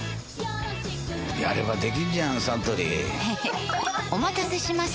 やればできんじゃんサントリーへへっお待たせしました！